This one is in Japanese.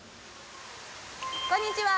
こんにちは！